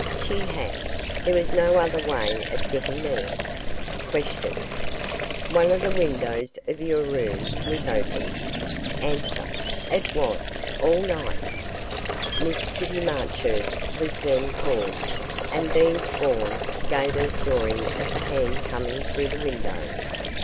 She had. There was no other way of getting there. Q. One of the windows of your room was open? A. It was all night. Miss Kitty Marchurst was then called, and being sworn, gave her story of the hand coming through the window.